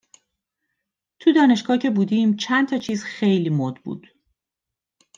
تو دانشگاه که بودیم چند تا چیز خیلی مُد بود